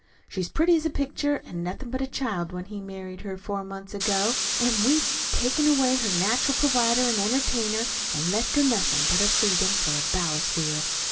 She's pretty as a picture, an' nothin' but a child when he married her four months ago, an' we've took away her natural pervider an' entertainer, an' left her nothin' but her freedom for a ballast wheel.